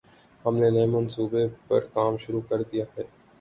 ہم نے نئے منصوبے پر کام شروع کر دیا ہے۔